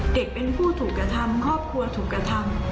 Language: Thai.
เด็กเป็นผู้ถูกกระทำครอบครัวถูกกระทำ